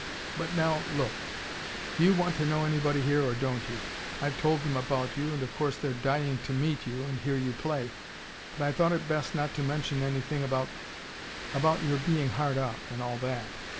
"But now LOOK! Do you want to know anybody here, or don't you? I've told them about you, and of course they're dying to meet you and hear you play. But I thought it best not to mention anything about about your being hard up, and all that.